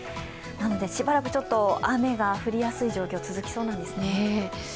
なので、しばらく雨が降りやすい状況、続きそうなんですね。